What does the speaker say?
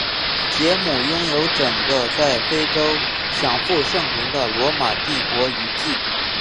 杰姆拥有数个在非洲享负盛名的罗马帝国遗迹。